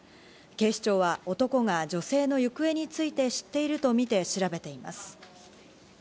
警視庁は男が女性の行方について知っているとみて調べています。